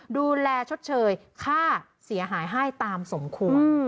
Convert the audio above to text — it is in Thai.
ดูแลชดเชยค่าเสียหายให้ตามสมควร